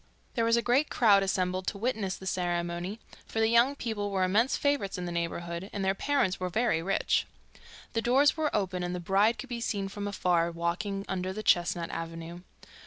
There was a great crowd assembled to witness the ceremony, for the young people were immense favourites in the neighbourhood, and their parents were very rich. The doors were open, and the bride could be seen from afar, walking under the chestnut avenue.